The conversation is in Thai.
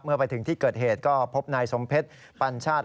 ไปถึงที่เกิดเหตุก็พบนายสมเพชรปัญชาติ